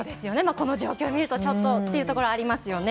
この状況を見るとちょっとというところありますね。